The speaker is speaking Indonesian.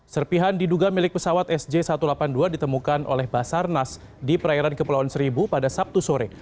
serpihan diduga milik pesawat sj satu ratus delapan puluh dua ditemukan oleh basarnas di perairan kepulauan seribu pada sabtu sore